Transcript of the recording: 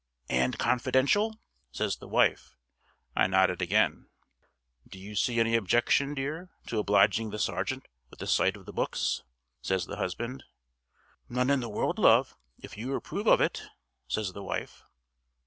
"And confidential?" says the wife. I nodded again. "Do you see any objection, dear, to obliging the sergeant with a sight of the books?" says the husband. "None in the world, love, if you approve of it," says the wife.